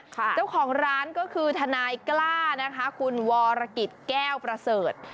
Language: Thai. เจ้าของร้านก็คือทนายกล้านะคะคุณวรกิจแก้วประเสริฐ